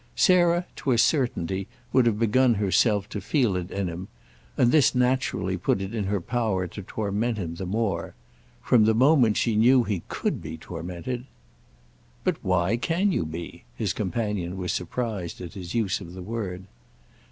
Sarah, to a certainty, would have begun herself to feel it in him—and this naturally put it in her power to torment him the more. From the moment she knew he could be tormented—! "But why can you be?"—his companion was surprised at his use of the word.